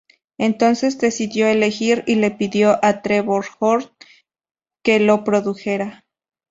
Entonces decidió elegir, y le pidió a Trevor Horn que lo produjera.